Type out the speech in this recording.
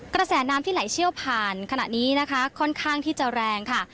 กระแสน้ำที่ไหลเชี่ยวผ่านขณะนี้นะคะค่อนข้างที่จะแรงค่ะ